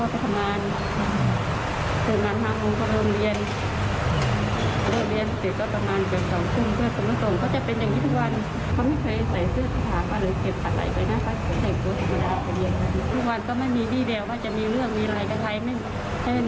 ทุกวันก็ไม่มีวี่แววว่าจะมีเรื่องมีอะไรกับใคร